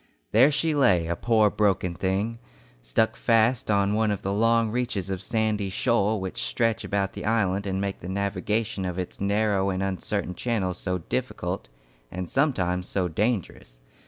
There she lay, a poor broken thing, stuck fast on one of the long reaches of sandy shoal which stretch about the island and make the navigation of its narrow and uncertain channels so difficult and sometimes so dangerous.